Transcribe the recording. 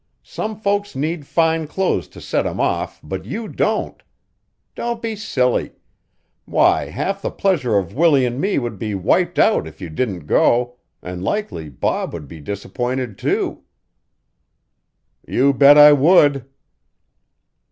Some folks need fine clothes to set 'em off but you don't. Don't be silly! Why, half the pleasure of Willie an' me would be wiped out if you didn't go, an' likely Bob would be disappointed, too." "You bet I would!"